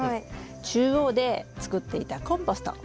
中央で作っていたコンポスト